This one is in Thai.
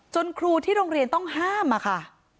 ครูที่โรงเรียนต้องห้ามอะค่ะ